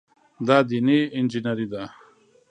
دا دیني انجینیري ده.